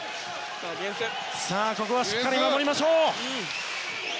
さあ、しっかり守りましょう！